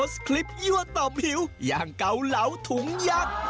ได้โพสต์คลิปยั่วต่อมหิวอย่างเกาเหลาถุงยักษ์